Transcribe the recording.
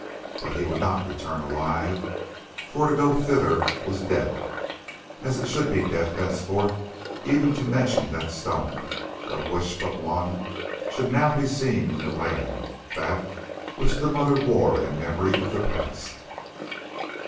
But he would not return alive, for to go thither was death, as it should be death henceforth even to mention that stone, of which but one should now be seen in the land, that which the Mother wore in memory of the past.